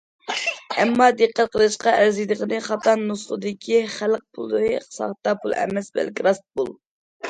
ئەمما دىققەت قىلىشقا ئەرزىيدىغىنى، خاتا نۇسخىدىكى خەلق پۇلى ساختا پۇل ئەمەس بەلكى راست پۇل.